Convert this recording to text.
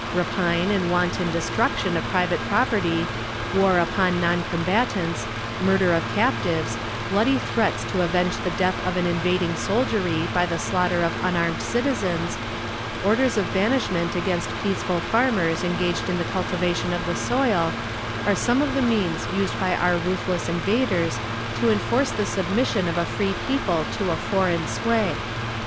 Rapine and wanton destruction of private property, war upon non combatants, murder of captives, bloody threats to avenge the death of an invading soldiery by the slaughter of unarmed citizens, orders of banishment against peaceful farmers engaged in the cultivation of the soil, are some of the means used by our ruthless invaders to enforce the submission of a free people to a foreign sway.